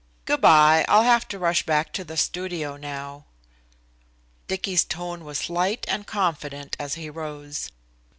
Good by. I'll have to rush back to the studio now." Dicky's tone was light and confident as he rose.